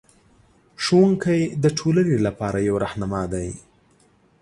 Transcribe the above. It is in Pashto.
ښوونکی د ټولنې لپاره یو رهنما دی.